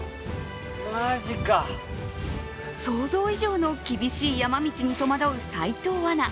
想像以上の厳しい山道に戸惑う齋藤アナ。